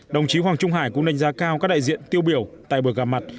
đồng chí hoàng trung hải cũng đánh giá cao các đại diện tiêu biểu tại buổi gặp mặt